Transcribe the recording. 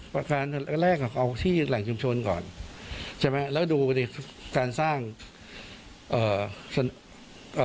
ประการแรกอ่ะเอาที่แหล่งชุมชนก่อนใช่ไหมแล้วดูดิการสร้างเอ่อ